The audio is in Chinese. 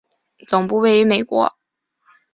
总部位于美国。